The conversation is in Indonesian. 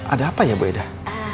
ada apa ya bu ida